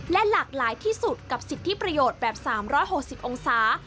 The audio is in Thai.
และหลากหลายที่สุดกับสิทธิประโยชน์แบบ๓๖๐องศา